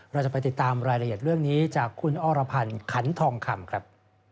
เราจะไปติดตามรายละเอียดเรื่องนี้จากคุณอรพันธ์ขันทองคำครับ